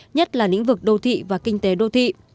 nhất là lĩnh vực đô thị và kinh tế đô thị